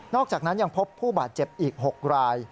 อกจากนั้นยังพบผู้บาดเจ็บอีก๖ราย